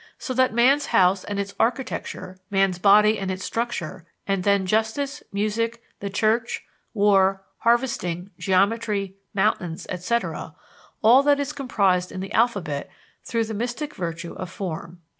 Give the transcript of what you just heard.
so that man's house and its architecture, man's body and its structure, and then justice, music, the church, war, harvesting, geometry, mountains, etc. all that is comprised in the alphabet through the mystic virtue of form."